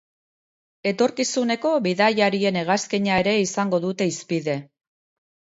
Etorkizuneko bidaiarien hegazkina ere izango dute hizpide.